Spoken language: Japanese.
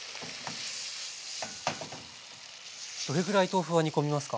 どれぐらい豆腐は煮込みますか？